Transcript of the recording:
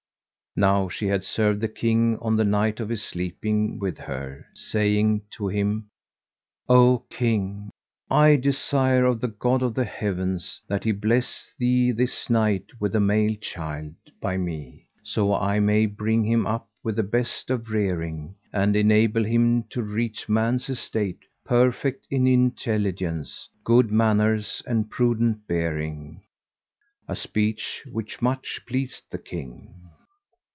Now she had served the King on the night of his sleeping with her, saying to him, "O King! I desire of the God of the Heavens that he bless thee this night with a male child by me, so I may bring him up with the best of rearing, and enable him to reach man's estate perfect in intelligence, good manners and prudent bearing"[FN#146]—a speech which much pleased the King.